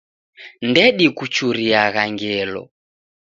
Ndedikuchuriagha ngelo.